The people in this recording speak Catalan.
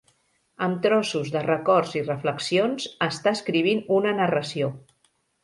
Amb trossos de records i reflexions, està escrivint una narració.